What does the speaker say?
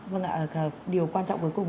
vâng ạ điều quan trọng cuối cùng